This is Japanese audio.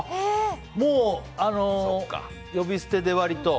もう、呼び捨てで割と。